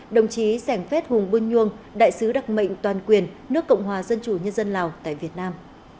đồng chí sẻng phết hùng bương nhuông đại sứ đặc mệnh toàn quyền nước cộng hòa dân chủ nhân dân lào tại việt nam